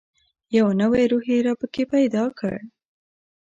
یو نوی روح یې را پکښې پیدا کړ.